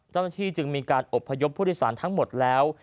เจ้าหน้าที่จึงมีการอบพยพผู้โดยสารทั้งหมดแล้ว